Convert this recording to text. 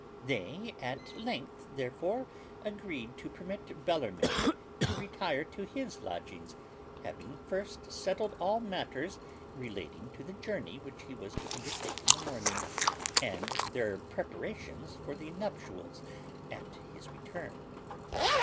They at length therefore agreed to permit Bellarmine to retire to his lodgings, having first settled all matters relating to the journey which he was to undertake in the morning, and their preparations for the nuptials at his return.